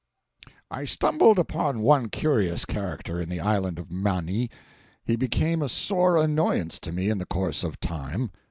I stumbled upon one curious character in the Island of Maui. He became a sore annoyance to me in the course of time.